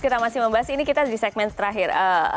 kita masih membahas ini kita di segmen terakhir